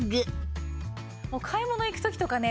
買い物行く時とかね